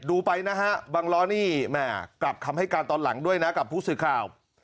ดูไปนะฮะบังล้อนี่แม่กลับคำให้การตอนหลังด้วยนะกับผู้สื่อข่าว